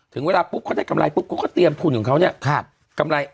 ถึงเวลาปุ๊บเขาได้กำไรปุ๊บเขาก็เตรียมทุนของเขาเนี่ย